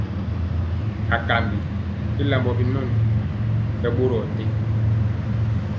Akambi i lambɔ binɔn, ɓɛ ɓorɔɔ te.